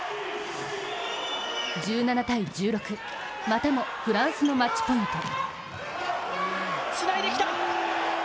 １７−１６、またもフランスのマッチポイント。